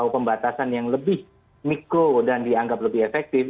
pembatasan yang lebih mikro dan dianggap lebih efektif